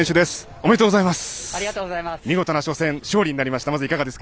おめでとうございます。